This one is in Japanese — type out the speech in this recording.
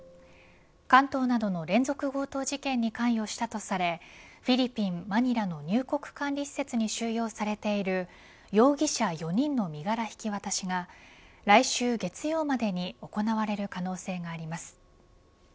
関東などの連続強盗事件に関与したとされフィリピン、マニラの入国管理施設に収容されている容疑者４人の身柄引き渡しが来週月曜までに行われる可能性があります。